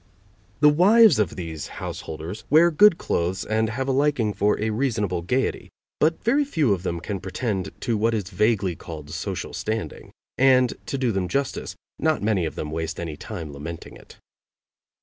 The wives of these householders wear good clothes and have a liking for a reasonable gayety, but very few of them can pretend to what is vaguely called social standing, and, to do them justice, not many of them waste any time lamenting it.